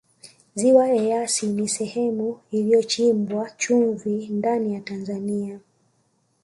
ziwa eyasi ni sehemu inayochimbwa chumvi ndani ya tanzania